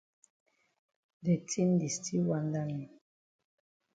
De tin di still wanda me.